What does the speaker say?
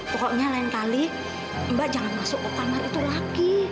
pokoknya lain kali mbak jangan masuk ke kamar itu lagi